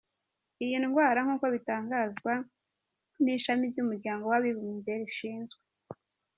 Iyi ndwara nk’uko bitangazwa n’Ishami ry’Umuryango w’Abibumbye rishinzwe.